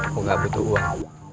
kok gak butuh uang